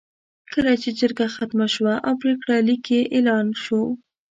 کله چې جرګه ختمه شوه او پرېکړه لیک یې اعلان شو.